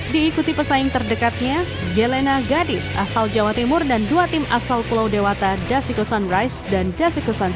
diikuti pesaing terdekatnya gelena gadis asal jawa timur dan dua tim asal pulau dewata dasiko sunrise dan dasiko sun